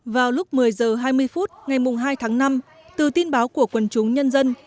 vào lúc một mươi h hai mươi phút ngày hai tháng năm từ tin báo của quần chúng nhân dân